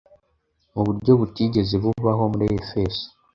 mu buryo butigeze bubaho muri Efeso,